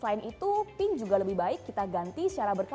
selain itu pin juga lebih baik kita ganti secara berkas